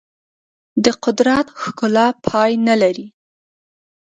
د قدرت ښکلا پای نه لري.